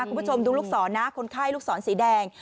คุณผู้ชมดูลูกศรนะคนไข้ลูกศรสีแดง